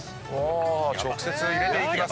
直接入れていきます。